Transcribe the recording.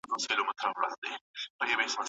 هغه وویل چې دا علم د ټولنې د بدلون بحث کوي.